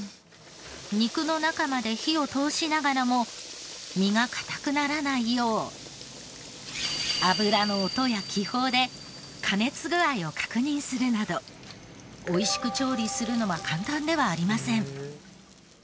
肉の中まで火を通しながらも身が硬くならないよう油の音や気泡で加熱具合を確認するなど美味しく調理するのは簡単ではありません。